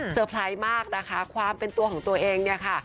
ไพรส์มากนะคะความเป็นตัวของตัวเองเนี่ยค่ะ